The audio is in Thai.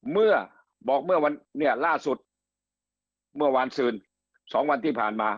เมื่อบอกเมื่อวันเนี่ยล่าสุดเมื่อวานซืน๒วันที่ผ่านมา